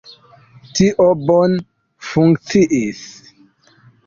Tio bone funkciis.